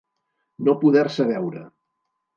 No poder-se veure.